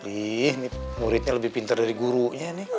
ini muridnya lebih pintar dari gurunya nih